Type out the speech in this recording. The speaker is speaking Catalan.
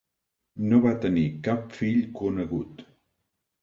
No van tenir cap fill conegut.